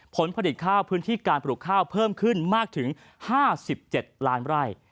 ผลผลิตข้าวพื้นที่การปลูกข้าวเพิ่มขึ้นมากถึง๕๗ล้านไร่